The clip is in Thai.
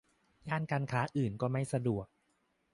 ย่านการค้าอื่นก็ไม่สะดวก